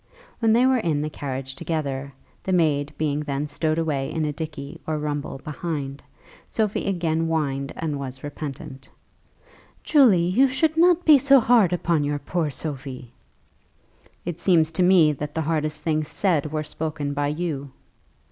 When they were in the carriage together, the maid being then stowed away in a dickey or rumble behind, Sophie again whined and was repentant. "Julie, you should not be so hard upon your poor Sophie." "It seems to me that the hardest things said were spoken by you."